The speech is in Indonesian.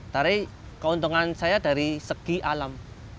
tapi keuntungan saya dari sikap